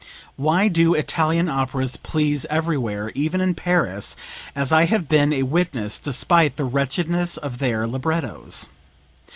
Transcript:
Why do Italian operas please everywhere, even in Paris, as I have been a witness, despite the wretchedness of their librettos?